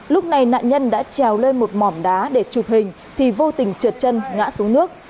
lúc này nạn nhân đã trèo lên một mỏm đá để chụp hình thì vô tình trượt chân ngã xuống nước